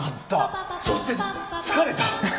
そして、疲れた。